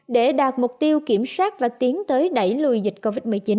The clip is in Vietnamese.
để đạt mục tiêu kiểm soát và tiến tới đẩy lùi dịch covid một mươi chín